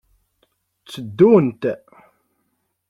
Tteddunt.